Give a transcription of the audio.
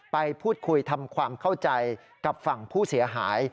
ไปพูดคุยทำความเข้าใจกับฝั่งผู้เสียหาย